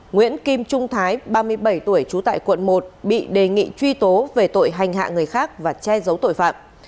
nguyễn kim trung thái ba mươi bảy tuổi trú tại quận một bị đề nghị truy tố về tội hành hạ người khác và che giấu tội phạm